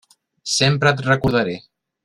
Sempre et recordaré.